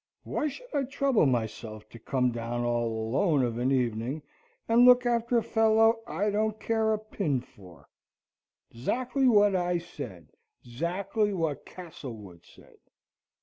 Why should I trouble myself to come down all alone of an evening, and look after a fellow I don't care a pin for? Zackly what I said. Zackly what Castlewood said.